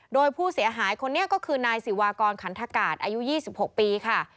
โดยผู้เสียหายคนนี้ก็คือนายศิวากรขันทกาศอายุ๒๖ปีค่ะ